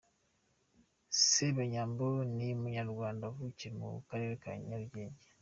Sebanyambo ni Umunyarwanda wavukiye mu Karere ka Nyarugenge.